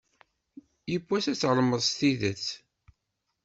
Yiwwas ad tεelmeḍ s tidet.